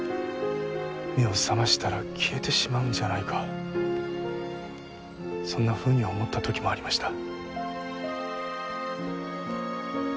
目を覚ましたら消えてしまうんじゃないかそんなふうに思ったときもありました。